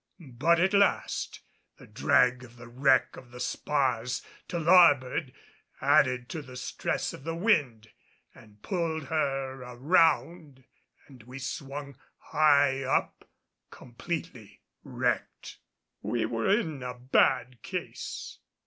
But at last the drag of the wreck of the spars to larboard, added to the stress of the wind, pulled her around and we swung high up completely wrecked. We were in bad case.